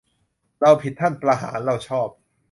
เราผิดท่านประหาร เราชอบ